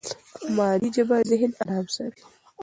مادي ژبه ذهن ارام ساتي.